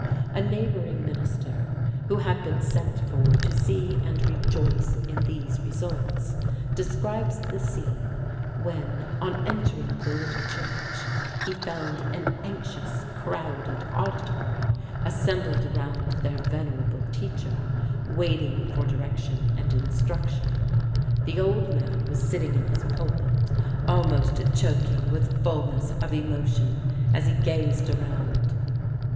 A neighboring minister, who had been sent for to see and rejoice in these results, describes the scene, when, on entering the little church, he found an anxious, crowded auditory assembled around their venerable teacher, waiting for direction and instruction. The old man was sitting in his pulpit, almost choking with fulness of emotion as he gazed around.